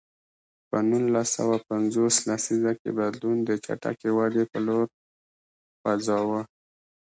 په نولس سوه پنځوس لسیزه کې بدلون د چټکې ودې په لور خوځاوه.